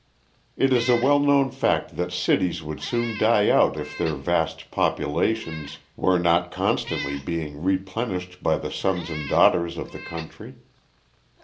It is a well known fact that cities would soon die out if their vast populations were not constantly being replenished by the sons and daughters of the country.